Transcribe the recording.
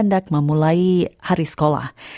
yang berhandak memulai hari sekolah